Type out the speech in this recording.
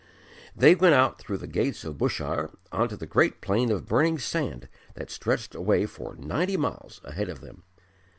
They went out through the gates of Bushire on to the great plain of burning sand that stretched away for ninety miles ahead of them.